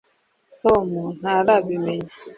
tom ntarabimenya